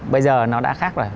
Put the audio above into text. bây giờ nó đã khác rồi